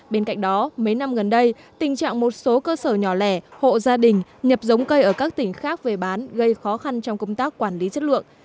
bên cạnh đó mấy năm gần đây tình trạng một số cơ sở nhỏ lẻ hộ gia đình nhập giống cây ở các tỉnh khác về bán gây khó khăn trong công tác quản lý chất lượng